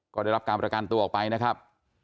ก็ได้รับการประกันตัวออกไปนะครับ